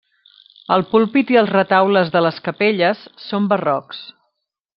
El púlpit i els retaules de les capelles són barrocs.